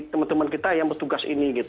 teman teman kita yang bertugas ini